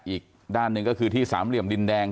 อีกด้านหนึ่งก็คือที่สามเหลี่ยมดินแดง